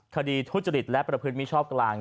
ทุจริตและประพฤติมิชอบกลาง